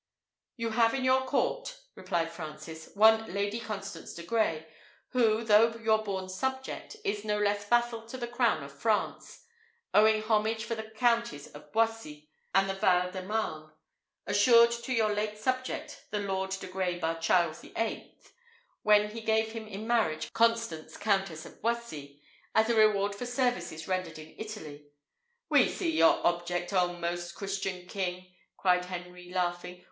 "You have in your court," replied Francis, "one Lady Constance de Grey, who, though your born subject, is no less vassal to the crown of France; owing homage for the counties of Boissy and the Val de Marne, assured to your late subject the Lord de Grey by Charles the Eighth when he gave him in marriage Constance Countess of Boissy, as a reward for services rendered in Italy " "We see your object, oh most Christian king!" cried Henry, laughing.